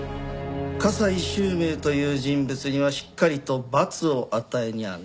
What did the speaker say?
加西周明という人物にはしっかりと罰を与えにゃあね。